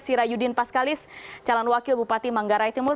syirah yudin paskalis calon wakil bupati manggarai timur